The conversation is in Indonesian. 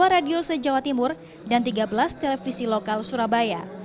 dua puluh dua radio sejawa timur dan tiga belas televisi lokal surabaya